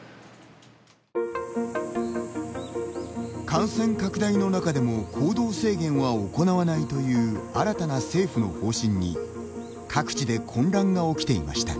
感染拡大の中でも行動制限は行わないという新たな政府の方針に各地で混乱が起きていました。